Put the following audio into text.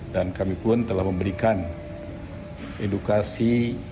dan kami pun telah memberikan edukasi